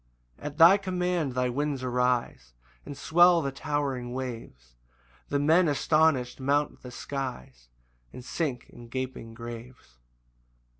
2 At thy command the winds arise, And swell the towering waves; The men astonish'd mount the skies And sink in gaping graves.